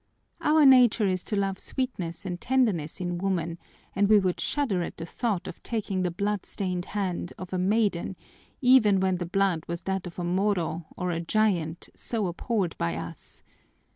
Our nature is to love sweetness and tenderness in woman, and we would shudder at the thought of taking the blood stained hand of a maiden, even when the blood was that of a Moro or a giant, so abhorred by us.